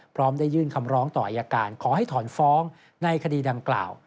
พร้อมได้ยื่นคำร้องต่ออายการขอให้ถอนฟ้องในคดีดังกล่าว